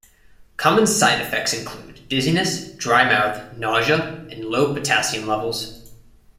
Common side effects include dizziness, dry mouth, nausea, and low potassium levels.